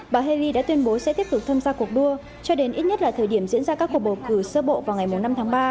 bà haley đã tuyên bố sẽ tiếp tục tham gia cuộc đua cho đến ít nhất là thời điểm diễn ra các cuộc bầu cử sơ bộ vào ngày năm tháng ba